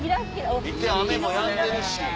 見て雨もやんでるし。